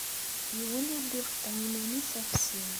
Yiwen ur d-ibeṭṭu iman-is ɣef sin.